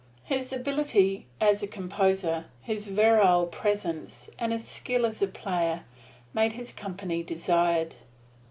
His ability as a composer, his virile presence, and his skill as a player, made his company desired.